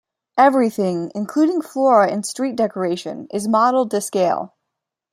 Everything, including flora and street decoration, is modeled to scale.